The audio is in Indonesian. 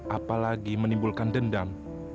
apalagi menimbulkan dendam